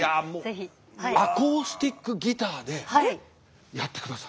アコースティックギターでやってくださる。